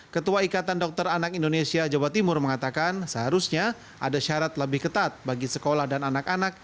ketua ikatan dokter anak indonesia jawa timur mengatakan seharusnya ada syarat lebih ketat bagi sekolah dan anak anak